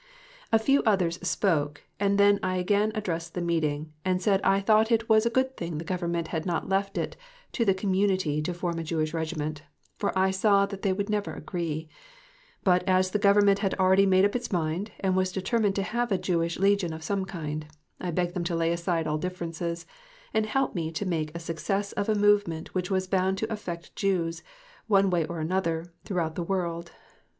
A few others spoke, and then I again addressed the meeting and said I thought it was a good thing the Government had not left it to the community to form a Jewish Regiment, for I saw that they would never agree; but, as the Government had already made up its mind, and was determined to have a Jewish Legion of some kind, I begged them to lay aside all differences and help me to make a success of a movement which was bound to affect Jews, one way or another, throughout the world.